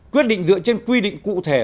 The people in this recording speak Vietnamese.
quyết định dựa trên quy định cụ thể